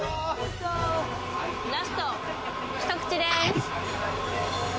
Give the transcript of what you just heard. ラスト、一口です。